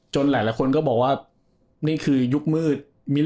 หลายคนก็บอกว่านี่คือยุคมืด